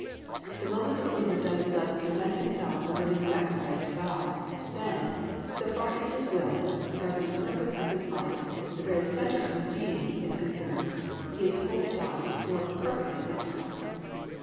The moment a believer does thus present himself a living sacrifice to God, then, so far as his will, the governing purpose of his life, the very centre of his being, is concerned, he is wholly God's, or "perfectly sanctified."